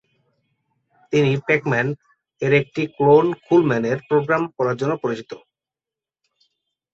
তিনি Pac Man এর একটি ক্লোন কুল ম্যান এর প্রোগ্রাম করার জন্য পরিচিত।